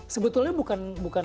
sebetulnya bukan akhirnya